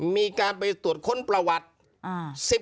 มีการไปตรวจค้นประวัติ